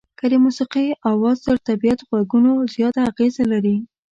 که د موسيقۍ اواز تر طبيعت غږونو زیاته اغېزه لري.